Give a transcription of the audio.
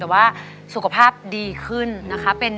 แต่ว่าสุขภาพดีขึ้นนะคะ